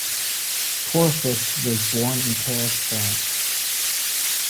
Corraface was born in Paris, France.